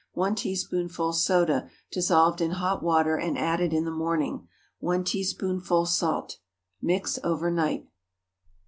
1 teaspoonful soda, dissolved in hot water, and added in the morning. 1 teaspoonful salt. Mix over night.